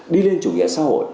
đi lên chủ nghĩa xã hội